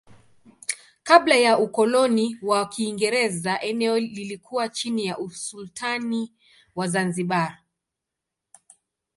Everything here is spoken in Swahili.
Kabla ya ukoloni wa Kiingereza eneo lilikuwa chini ya usultani wa Zanzibar.